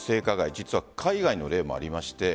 実は海外の例もありまして。